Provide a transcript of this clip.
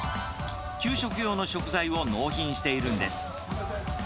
給食用の食材を納品しているんです。